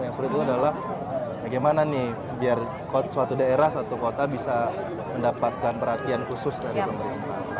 yang sulit itu adalah bagaimana nih biar suatu daerah suatu kota bisa mendapatkan perhatian khusus dari pemerintah